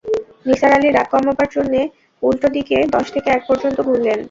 নিসার আলি রাগ কমাবার জন্যে উন্টো দিকে দশ থেকে এক পর্যন্ত গুনলেন।